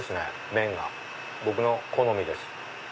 麺が僕の好みです。